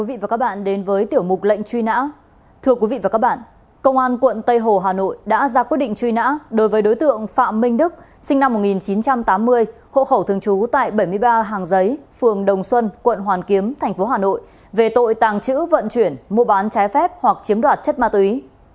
về tội tàng trữ vận chuyển mua bán trái phép hoặc chiếm đoạt chất ma túy